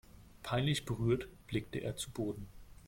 Peinlich berührt blickte er zu Boden.